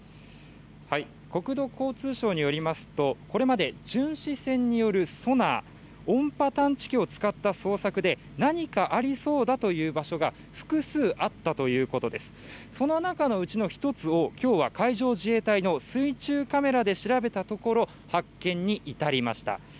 国土交通省によりますとこれまで巡視船によるソナー、音波探知機を使った捜索で何かありそうだという場所がその中のうちの１つを今日は海上自衛隊の水中カメラで調べたところ、発見に至りました。